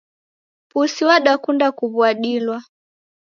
Pusi wadakunda kuw'uadilwa